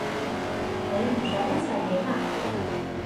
你唔想一齊影啊？